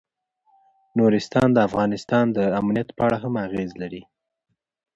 نورستان د افغانستان د امنیت په اړه هم اغېز لري.